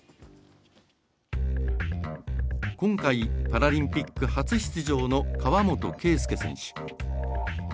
今回、パラリンピック初出場の河本圭亮選手。